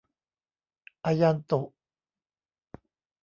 อายันตุ